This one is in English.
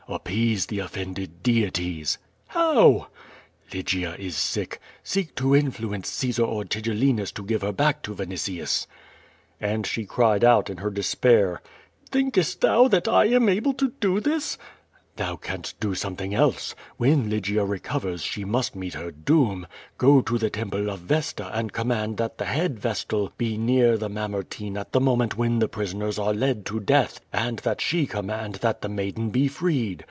"Appease the offended deities." "How?" QUO VADIS. i99 <6^ "Lygia is sick. Seek to influence Caesar or Tigellinus to give her back to Vinitius/' And she cried out in her despair: "Thinkest thou that I am able to do this?" "Thou canst do sometiliing else. When Lygia recovers she must meet her doom. Go to the temple of Vesta and com mand that the head vestal be near the Mamertine at the moment when the ])risoners are led to death, and that she command that the maiden be freed.